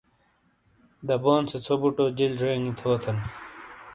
دبون سے ژھو بُٹو جِیل جینگی تھوتھن !